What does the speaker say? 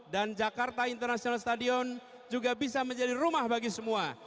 jakarta international stadion juga bisa menjadi rumah bagi semua